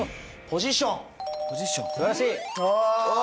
ポジション